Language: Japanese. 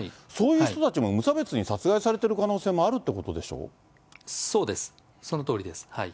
そういう人たちも無差別に殺害されてる可能性もあるということでそうです。